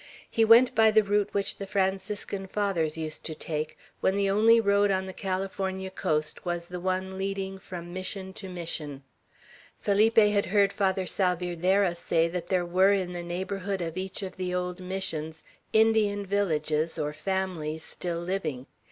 He went by the route which the Franciscan Fathers used to take, when the only road on the California coast was the one leading from Mission to Mission. Felipe had heard Father Salvierderra say that there were in the neighborhood of each of the old Missions Indian villages, or families still living.